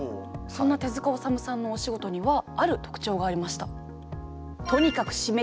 そんな手治虫さんのお仕事にはある特徴がありました。